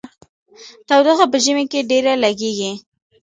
تودوخه په ژمي کې ډیره لګیږي.